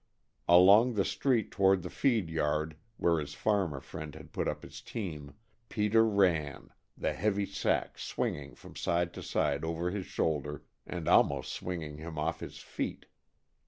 Along the street toward the feed yard, where his farmer friend had put up his team, Peter ran, the heavy sack swinging from side to side over his shoulder and almost swinging him off his feet.